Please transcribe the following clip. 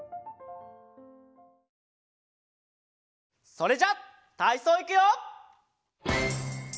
それじゃたいそういくよ！